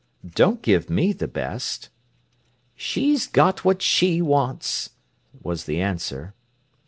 "Don't give me the best!" he said. "She's got what she wants," was the answer.